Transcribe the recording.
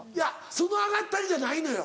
その「上がったり」じゃないのよ。